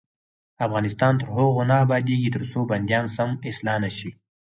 افغانستان تر هغو نه ابادیږي، ترڅو بندیان سم اصلاح نشي.